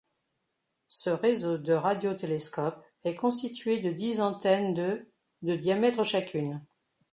Ce réseau de radiotélescopes, est constitué de dix antennes de de diamètre chacune.